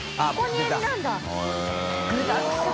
具だくさん！